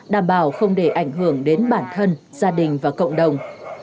đảm bảo không để ảnh hưởng đến bản thân gia đình và cộng đồng